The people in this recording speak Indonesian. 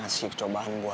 tapi tadi aku di dealtin dia